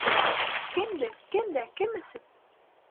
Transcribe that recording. Кемде? Кемдә? Кем өсөн?